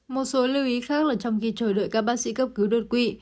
một số lưu ý khác là trong khi chờ đợi các bác sĩ cấp cứu đột quỵ